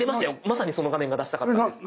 まさにその画面が出したかったんです。